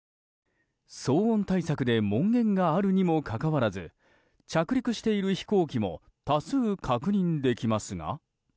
騒音対策で門限があるにもかかわらず着陸している飛行機も多数、確認できますが？